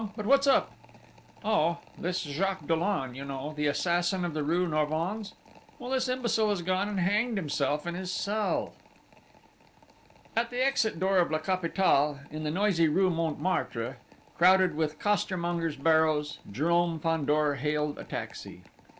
But what's up?" "Oh ... this Jacques Dollon, you know, the assassin of the rue Norvins? Well, this imbecile has gone and hanged himself in his cell!" At the exit door of La Capitale, in the noisy rue Montmartre, crowded with costermongers' barrows, Jérôme Fandor hailed a taxi.